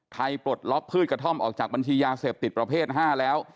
ปลดล็อกพืชกระท่อมออกจากบัญชียาเสพติดประเภท๕แล้ว